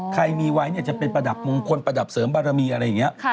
ใครมีไว้จะเป็นประดับมงคลประดับเสริมบารมีอะไรอย่างนี้